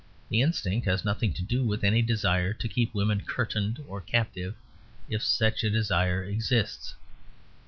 The instinct has nothing to do with any desire to keep women curtained or captive: if such a desire exists.